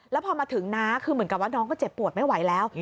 แล้วพอมาถึงน้าคือเหมือนกับว่าน้องก็เจ็บปวดไม่ไหวแล้ว